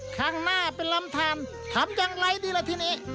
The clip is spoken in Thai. ข้างหน้าเป็นลำทานทำอย่างไรดีล่ะทีนี้